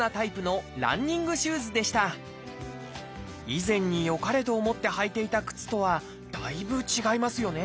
以前によかれと思って履いていた靴とはだいぶ違いますよね